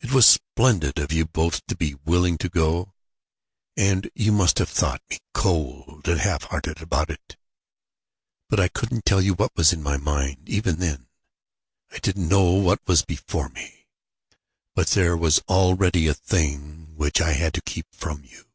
It was splendid of you both to be willing to go, and you must have thought me cold and half hearted about it. But I couldn't tell you what was in my mind, even then. I didn't know what was before me; but there was already a thing which I had to keep from you.